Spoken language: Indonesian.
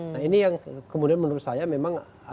nah ini yang kemudian menurut saya memang ada persoalan di sana